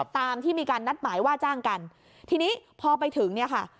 ตามที่มีการนัดหมายว่าจ้างกันทีนี้พอไปถึงเนี่ยค่ะ